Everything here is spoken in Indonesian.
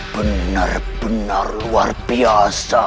benar benar luar biasa